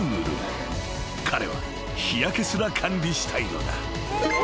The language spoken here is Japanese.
［彼は日焼けすら管理したいのだ］